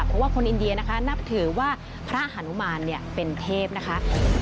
เพราะว่าคนอินเดียนะคะนับถือว่าพระหานุมานเป็นเทพนะคะ